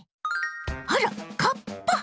あらカッパ！